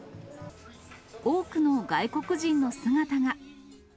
多くの外国人の姿が。